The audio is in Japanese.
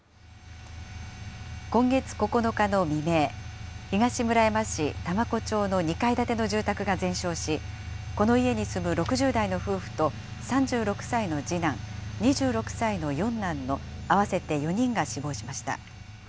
今月９日の未明、東村山市多摩湖町の２階建ての住宅が全焼し、この家に住む６０代の夫婦と３６歳の次男、２６歳の四男の合わせて４人が死亡しました。